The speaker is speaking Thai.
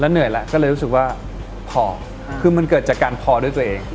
เหนื่อยแล้วก็เลยรู้สึกว่าพอคือมันเกิดจากการพอด้วยตัวเอง